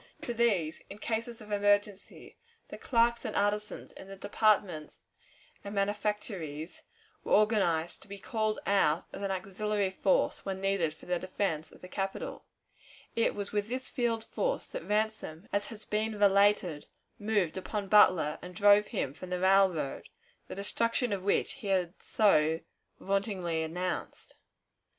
To these, in cases of emergency, the clerks and artisans in the departments and manufactories, were organized, to be called out as an auxiliary force when needed for the defense of the capital It was with this field force that Ransom, as has been related, moved upon Butler, and drove him from the railroad, the destruction of which he had so vauntingly announced.